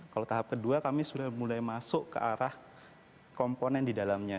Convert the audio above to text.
kalau tahap kedua kami sudah mulai masuk ke arah komponen di dalamnya